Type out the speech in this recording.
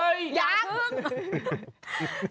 อย่าขึ้น